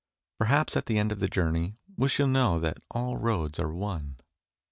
Perhaps at the end of the journey we shall know that all roads are one.